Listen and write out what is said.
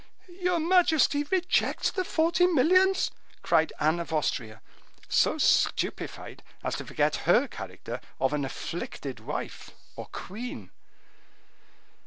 "Your majesty rejects the forty millions!" cried Anne of Austria, so stupefied as to forget her character of an afflicted wife, or queen.